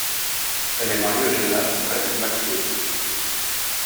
Elle est mariée au gymnaste Brett McClure.